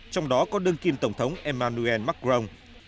trong đó có đơn kim tổng thống emmanuel macron